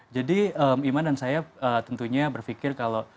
jadi iman dan saya tentunya berpikir kalau